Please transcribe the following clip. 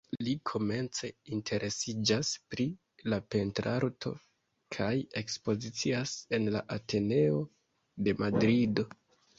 Li komence interesiĝas pri la pentrarto, kaj ekspozicias en la Ateneo de Madrido.